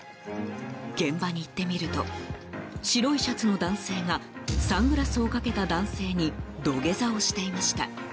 現場に行ってみると白いシャツの男性がサングラスをかけた男性に土下座をしていました。